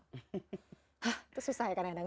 hah itu susah ya kadang kadang